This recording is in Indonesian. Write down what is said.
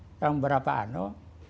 setelah beberapa jam